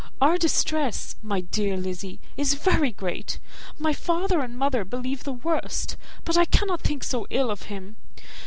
Our distress, my dear Lizzy, is very great. My father and mother believe the worst, but I cannot think so ill of him.